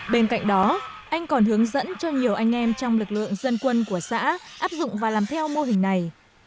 bên cạnh đó anh còn hướng dẫn cho nhiều anh em trong lực lượng dân quân của xã áp dụng và làm theo mô hình này